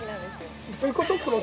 ◆どういうこと？